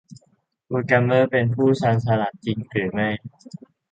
โปรแกรมเมอร์ เป็นผู้ชาญฉลาด จริงหรือไม่